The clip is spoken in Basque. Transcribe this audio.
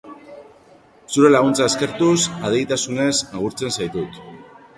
Zure laguntza eskertuz, adeitasunez agurtzen zaitut.